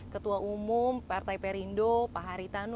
ketua umum partai perindo pak haritanu